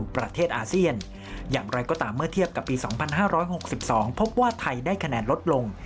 ปี๒๕๖๒พบว่าไทยได้คะแนนลดลง